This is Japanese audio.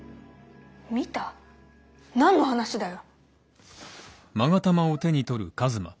見た？何の話だよ？